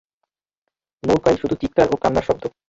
নৌকায় শুধু চিৎকার ও কান্নার শব্দ।